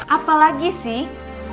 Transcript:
apa lagi sih